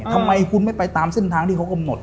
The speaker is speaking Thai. ทำไมคุณไม่ไปตามเส้นทางที่เขากำหนด